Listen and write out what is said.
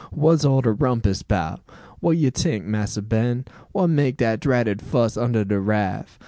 "Wha's all de rumpus 'bout? Wha you tink, Massa Ben? Wha make dat dratted fuss under de raff?